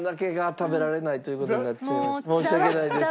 申し訳ないです。